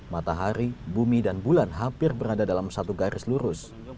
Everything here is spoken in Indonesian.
matahari bumi dan bulan hampir berada dalam satu garis lurus